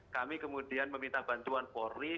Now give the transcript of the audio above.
kami kemudian meminta bantuan polri